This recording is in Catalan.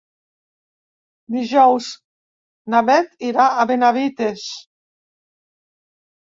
Dijous na Bet irà a Benavites.